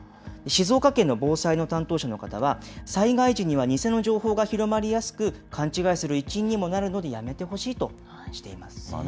静岡県の防災の担当者の方は、災害時には偽の情報が広まりやすく、勘違いする一因にもなるのでやめてほしいとしています。